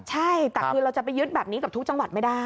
ใช่แต่คือเราจะไปยึดแบบนี้กับทุกจังหวัดไม่ได้